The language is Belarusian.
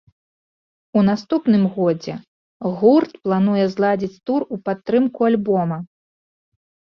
У наступным годзе гурт плануе зладзіць тур у падтрымку альбома.